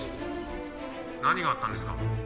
「何があったんですか？」